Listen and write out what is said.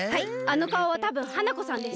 あのかおはたぶん花子さんです。